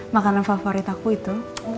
makanan favorit aku itu